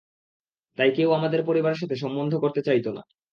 তাই কেউ আমাদের পরিবারের সাথে সম্বন্ধ করতে চাইতো না।